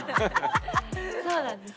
そうなんです。